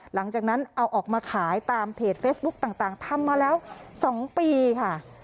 หลังจากนั้นเอาออกมาขายตามเพจเฟซบุ๊กต่างทำมาแล้ว๒ปีค่ะ